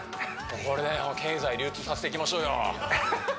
これで経済流通させていきましょうよ